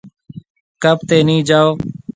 ڪپ تي نِي جائو۔